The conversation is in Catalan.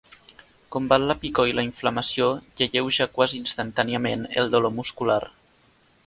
Combat la picor i la inflamació i alleuja quasi instantàniament el dolor muscular.